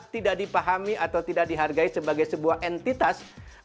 tidak dipahami atau tidak dihargai sebagai sebuah entitas